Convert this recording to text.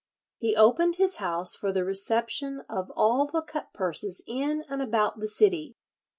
He opened his house for the reception of all the cutpurses in and about the city.